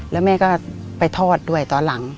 แล้วแม่ก็ไปทอดด้วยตอนหลัง